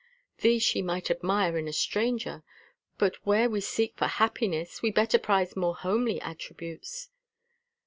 These she might admire in a stranger; but where we seek for happiness we better prize more homely attributes.